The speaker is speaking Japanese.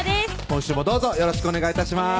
今週もどうぞよろしくお願い致します